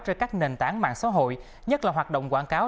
trên các nền tảng mạng xã hội nhất là hoạt động quảng cáo